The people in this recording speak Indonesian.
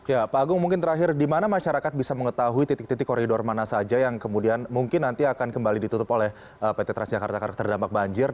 ya pak agung mungkin terakhir di mana masyarakat bisa mengetahui titik titik koridor mana saja yang kemudian mungkin nanti akan kembali ditutup oleh pt transjakarta karena terdampak banjir